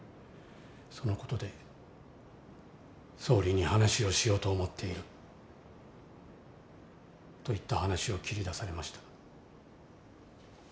その事で総理に話をしようと思っている」といった話を切り出されました。